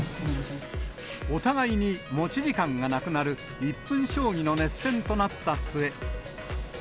お互いに持ち時間がなくなる、１分将棋の熱戦となった末。